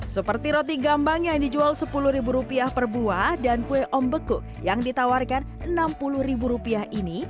seperti roti gambang yang dijual sepuluh rupiah per buah dan kue ombekuk yang ditawarkan rp enam puluh ini